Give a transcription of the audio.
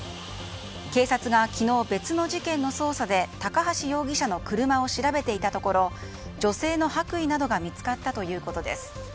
警察が昨日、別の事件の捜査で高橋容疑者の車を調べていたところ女性の白衣などが見つかったということです。